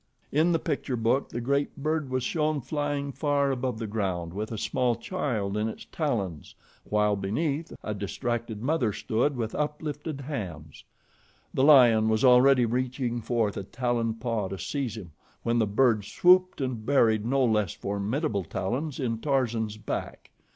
In the picture book the great bird was shown flying far above the ground with a small child in its talons while, beneath, a distracted mother stood with uplifted hands. The lion was already reaching forth a taloned paw to seize him when the bird swooped and buried no less formidable talons in Tarzan's back.